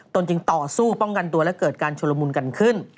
ตนจึงต่อสู้ป้องกันตัวและเกิดการชุลมุนกันขึ้น